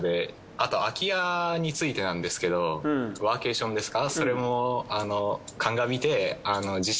あと空家についてなんですけどワーケーションですか？